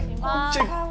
チェック。